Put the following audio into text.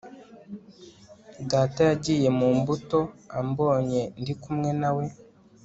Data yagiye mu mbuto ambonye ndikumwe na we